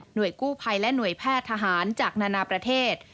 โดยกู้ภัยและหน่วยแพทย์ทหารจากนานาประเทศ